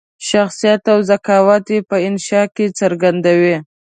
شخصیت او ذکاوت یې په انشأ کې څرګندیږي.